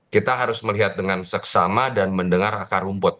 kita harus melihat dengan seksama dan mendengar akar rumput